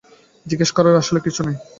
জিজ্ঞেস করার আসলে কিছু নাই।